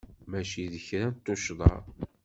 Mačči d kra n tuccḍa.